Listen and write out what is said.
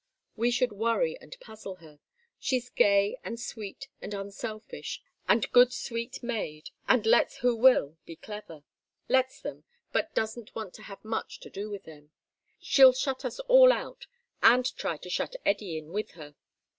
We should worry and puzzle her. She's gay and sweet and unselfish, and good, sweet maid, and lets who will be clever. Lets them, but doesn't want to have much to do with them. She'll shut us all out, and try to shut Eddy in with her.